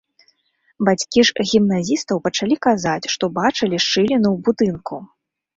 Бацькі ж гімназістаў пачалі казаць, што бачылі шчыліны ў будынку.